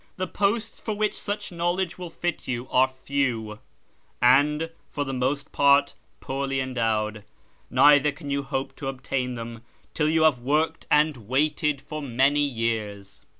The posts for which such knowledge will fit you are few, and, for the most part, poorly endowed, neither can you hope to obtain them till you have worked and waited for many years.